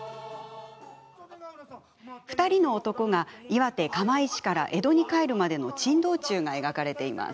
２人の男が岩手・釜石から江戸に帰るまでの珍道中が描かれています。